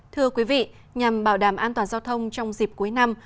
thưa quý vị nhằm bảo đảm an toàn giao thông trong dịp cuối năm